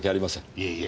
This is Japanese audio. いえいえ。